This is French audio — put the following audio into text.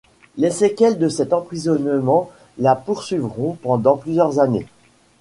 Les séquelles de cet emprisonnement la poursuivront pendant plusieurs années.